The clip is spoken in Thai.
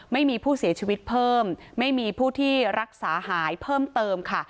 ไม่มีผู้เสียชีวิตเพิ่มไม่มีผู้ที่รักษาหายเพิ่มเติมค่ะ